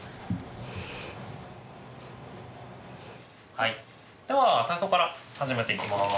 はいでは体操から始めていきます。